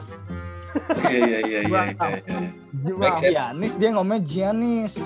giannis dia ngomongnya giannis